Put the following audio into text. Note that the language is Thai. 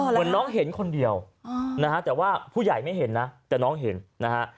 เหมือนน้องเห็นคนเดียวนะฮะแต่ว่าผู้ใหญ่ไม่เห็นนะแต่น้องเห็นนะฮะ